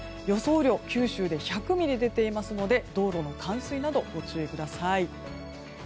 雨量、九州で１００ミリと出ていますので道路の冠水などご注意ください。